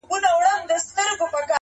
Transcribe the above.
يو څو د ميني افسانې لوستې.